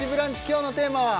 今日のテーマは？